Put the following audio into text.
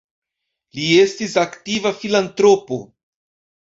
Li estis aktiva filantropo.